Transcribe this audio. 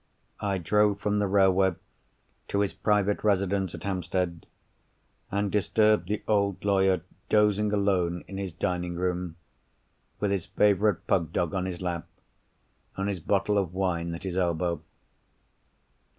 I drove from the railway to his private residence at Hampstead, and disturbed the old lawyer dozing alone in his dining room, with his favourite pug dog on his lap, and his bottle of wine at his elbow.